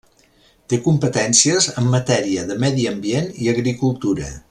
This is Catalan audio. Té competències en matèria de Medi Ambient i Agricultura.